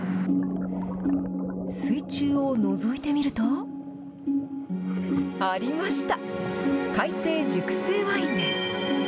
水中をのぞいてみると、ありました、海底熟成ワインです。